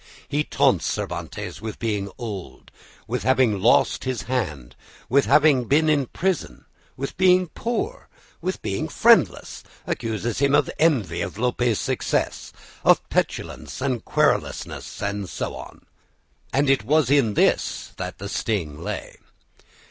He taunts Cervantes with being old, with having lost his hand, with having been in prison, with being poor, with being friendless, accuses him of envy of Lope's success, of petulance and querulousness, and so on; and it was in this that the sting lay.